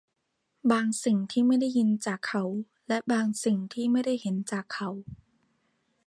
บางสิ่งที่ไม่ได้ยินจากเขา และบางสิ่งที่ไม่ได้เห็นจากเขา